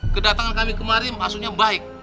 kedatangan kami kemarin maksudnya baik